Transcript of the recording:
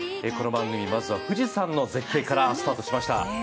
この番組、まずは富士山の絶景からスタートしました。